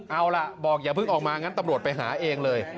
เอาล่ะบอกอย่าเพิ่งออกมางั้นตำรวจไปหาเองเลย